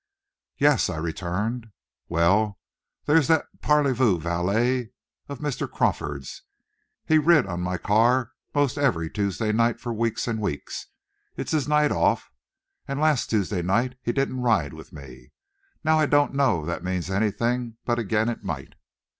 "Yes," I returned. "Well, that 'ere parlyvoo vally of Mr. Crawford's, he's rid, on my car 'most every Toosday night fer weeks and weeks. It's his night off. And last Toosday night he didn't ride with me. Now I don't know's that means anything, but agin it might."